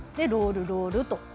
ロール、ロールと。